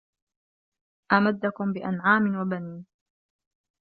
أَمَدَّكُم بِأَنعامٍ وَبَنينَ